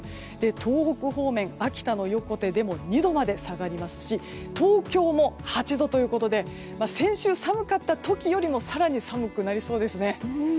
東北方面、秋田の横手でも２度まで下がりますし東京も８度ということで先週、寒かった時よりも更に寒くなりそうですね。